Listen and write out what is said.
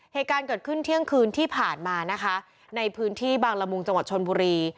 เหตุการณ์เกิดขึ้นเที่ยงคืนที่ผ่านมานะคะในพื้นที่บางละมุงจังหวัดชนบุรี